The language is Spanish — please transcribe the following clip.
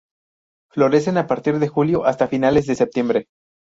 Florecen a partir de julio hasta finales de septiembre.